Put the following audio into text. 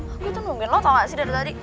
aku tuh nungguin lo tau gak sih dari tadi